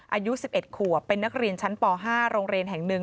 อายุ๑๑ขวบเป็นนักเรียนชั้นป๕โรงเรียนแห่งหนึ่ง